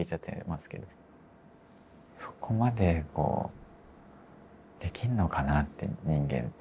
そこまでこうできるのかなって人間って。